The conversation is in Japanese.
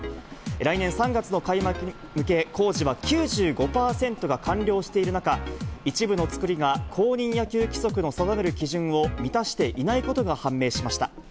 来年３月の開幕に向け、工事は９５％が完了している中、一部の造りが、公認野球規則の定める基準を満たしていないことが判明しました。